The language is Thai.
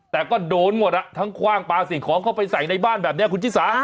แต่ก็โดนหมดทั้งคว่างปลาสิ่งของเข้าไปใส่ในบ้านแบบนี้คุณชิสา